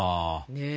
ねえ。